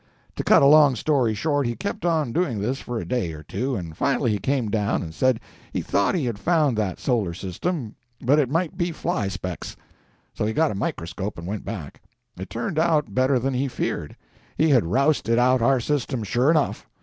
To cut a long story short, he kept on doing this for a day or two, and finally he came down and said he thought he had found that solar system, but it might be fly specks. So he got a microscope and went back. It turned out better than he feared. He had rousted out our system, sure enough.